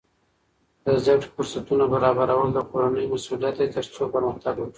د زده کړې فرصتونه برابرول د کورنۍ مسؤلیت دی ترڅو پرمختګ وکړي.